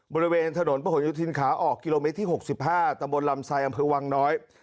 บริเวณถนนประหลุยทินขาออกกิโลเมตรที่หกสิบห้าตำบลลำไซอำเภววังน้อย